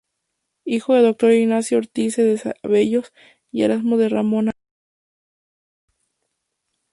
Hijo del doctor Ignacio Ortiz de Zevallos y Erazo y de Ramona García.